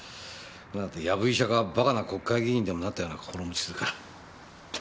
だってヤブ医者かバカな国会議員にでもなったような心持ちするから。